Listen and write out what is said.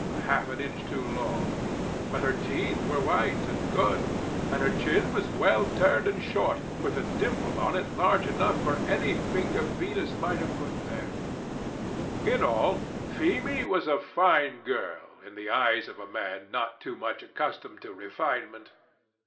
half an inch too long; but her teeth were white and good, and her chin was well turned and short, with a dimple on it large enough for any finger Venus might put there. In all, Feemy was a fine girl in the eyes of a man not too much accustomed to refinement.